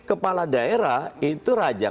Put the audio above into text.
kepala daerah itu raja